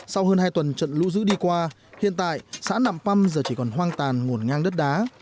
sau hơn hai tuần trận lũ dữ đi qua hiện tại xã nạm păm giờ chỉ còn hoang tàn ngổn ngang đất đá